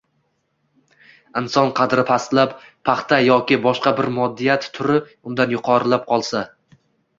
Inson qadri pastlab, paxta yoki boshqa bir moddiyat turi undan yuqorilab qolsa